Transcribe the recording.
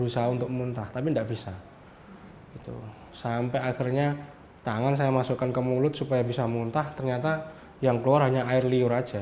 sampai akhirnya tangan saya masukkan ke mulut supaya bisa muntah ternyata yang keluar hanya air liur aja